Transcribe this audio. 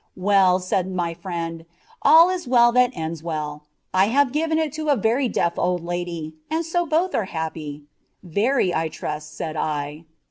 "Well," said my friend, "'all is well that ends well;' I have given it to a very deaf old lady, and so both are happy." "Very, I trust," said I.